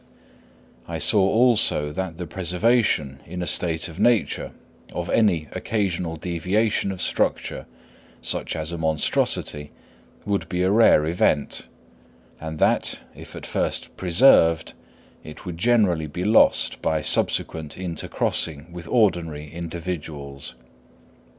I saw, also, that the preservation in a state of nature of any occasional deviation of structure, such as a monstrosity, would be a rare event; and that, if at first preserved, it would generally be lost by subsequent intercrossing with ordinary individuals.